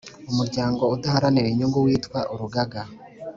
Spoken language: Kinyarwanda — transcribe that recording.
Umuryango udaharanira inyungu witwa urugaga